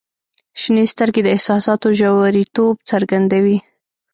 • شنې سترګې د احساساتو ژوریتوب څرګندوي.